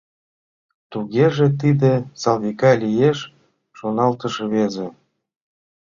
«Тугеже, тиде Салвика лиеш, — шоналтыш рвезе.